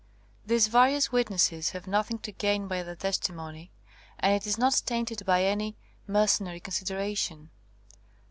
These va rious witnesses have nothing to gain by their testimony, and it is not tainted by any mer cenary consideration.